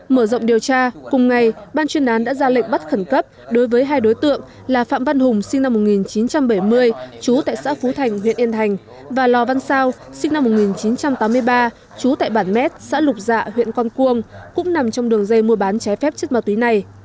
mở rộng điều tra cùng ngày ban chuyên án đã ra lệnh bắt khẩn cấp đối với hai đối tượng là phạm văn hùng sinh năm một nghìn chín trăm bảy mươi chú tại xã phú thành huyện yên thành và lò văn sao sinh năm một nghìn chín trăm tám mươi ba trú tại bản mét xã lục dạ huyện con cuông cũng nằm trong đường dây mua bán trái phép chất ma túy này